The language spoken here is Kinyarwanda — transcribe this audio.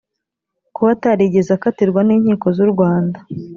kuba atarigeze akatirwa n’inkiko z’u rwanda